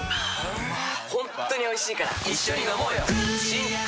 ホントにおいしいから一緒にのもうよプシュ！